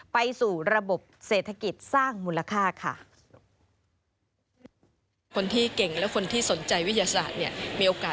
ไปสู่ระบบเศรษฐกิจสร้างมูลค่าค่ะ